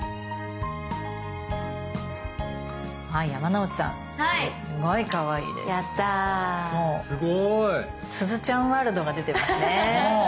もうすずちゃんワールドが出てますね。